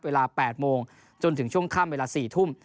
เวลา๘โมงจนถึงช่วงค่ำเวลา๔ทุ่ม